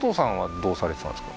どうされてたんですか？